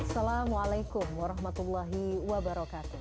assalamualaikum warahmatullahi wabarakatuh